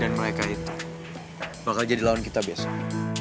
dan mereka itu bakal jadi lawan kita besok